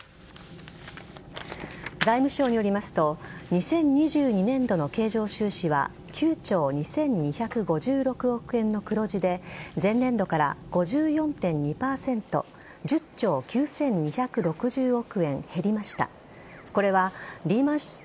財務省によりますと２０２２年度の経常収支は９兆２２５６億円の黒字で前年度から５４．２％１０兆９２６５億円減りました。